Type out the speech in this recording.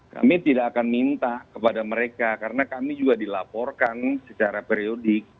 kami tidak akan minta kepada mereka karena kami juga dilaporkan secara periodik